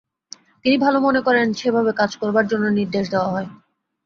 তিনি ভাল মনে করেন সেভাবে কাজ করার জন্য নির্দেশ দেওয়া হয়।